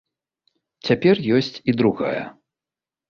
Цяпер ёсць і другая.